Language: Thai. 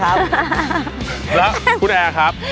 แล้วคุณแอร์ครับ